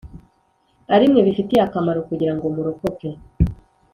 ari mwe bifitiye akamaro kugira ngo murokoke